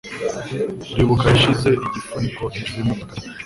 Ribuka yashyize igifuniko hejuru yimodoka ye.